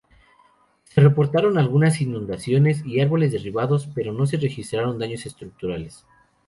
Se reportaron algunas inundaciones, y árboles derribados, pero no se registraron daños estructurales.